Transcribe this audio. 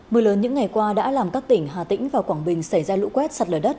mưa lớn những ngày qua đã làm các tỉnh hà tĩnh và quảng bình xảy ra lũ quét sạt lở đất